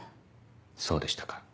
そうでしたか。